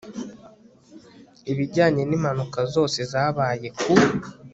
ibijyanye n impanuka zose zabaye ku